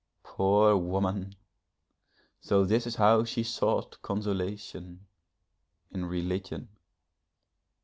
Poor woman! so this is how she sought consolation, in religion!